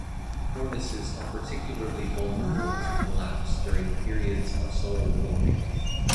Cornices are particularly vulnerable to collapse during periods of solar warming.